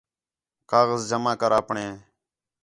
کاغذ جمع کر آپݨے